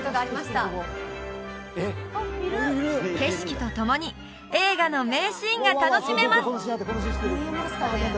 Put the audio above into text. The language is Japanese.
景色とともに映画の名シーンが楽しめます